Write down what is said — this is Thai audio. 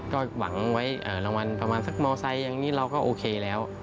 ก็หวังไว้รางวัลประมาณสักมอไซค์อย่างนี้เราก็โอเคแล้ว